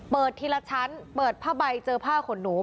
ทีละชั้นเปิดผ้าใบเจอผ้าขนหนู